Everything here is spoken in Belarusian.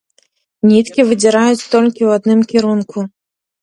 Ніткі выдзіраюць толькі ў адным кірунку.